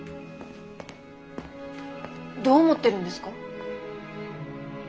どう思ってるんですか？